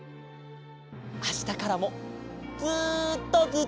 あしたからもずっとずっと。